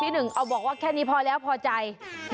พี่หนึ่งบอกว่าแค่นี้พอแล้วพอใจ